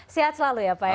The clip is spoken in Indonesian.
sehat selalu ya pak ya